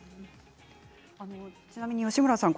ちなみに吉村さん